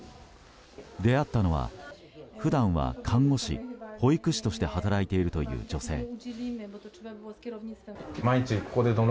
出会ったのは普段は看護師保育士として働いているという女性。